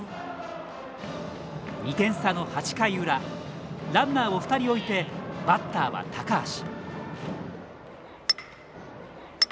２点差の８回裏ランナーを２人置いてバッターは高橋。